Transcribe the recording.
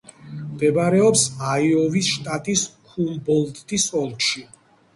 მდებარეობს აიოვის შტატის ჰუმბოლდტის ოლქში.